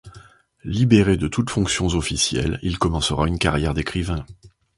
Libéré de toutes fonctions officielles, il commencera une carrière d'écrivain.